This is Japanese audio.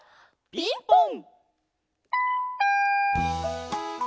ピンポン！